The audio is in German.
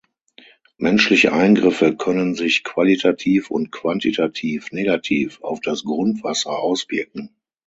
Menschliche Eingriffe können sich qualitativ und quantitativ negativ auf das Grundwasser auswirken.